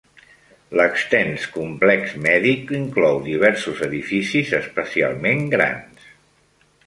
L'extens complex mèdic inclou diversos edificis especialment grans.